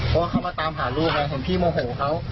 พ่อเขามาตามหาลูกพี่โหม่ห่วเขา